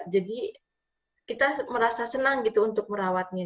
jadi kita merasa senang untuk merawatnya